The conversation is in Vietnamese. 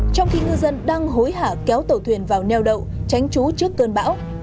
trong khi ngư dân đang hối hả kéo tàu thuyền vào neo đậu tránh trú trước cơn bão